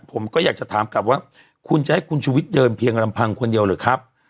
ผมก็อยากจะถามกลับว่าคุณจะให้คุณชุวิตเดินเพียงลำพังคนเดียวหรือครับ